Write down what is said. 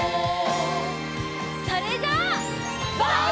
それじゃあ。